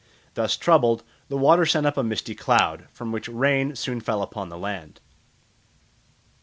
Thus troubled, the water sent up a misty cloud, from which rain soon fell upon the land.